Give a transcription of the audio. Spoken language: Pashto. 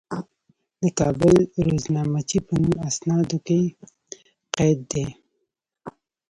د کابل روزنامچې په نوم اسنادو کې قید دي.